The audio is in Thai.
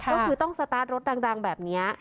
ก็คือต้องสตาร์ทรถดังแบบนี้